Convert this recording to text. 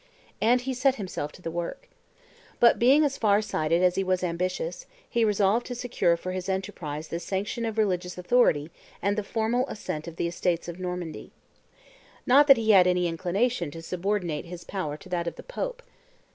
And he set himself to the work. But, being as far sighted as he was ambitious, he resolved to secure for his enterprise the sanction of religious authority and the formal assent of the Estates of Normandy. Not that he had any inclination to subordinate his power to that of the Pope.